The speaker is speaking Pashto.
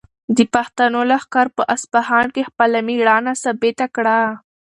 د پښتنو لښکر په اصفهان کې خپله مېړانه ثابته کړه.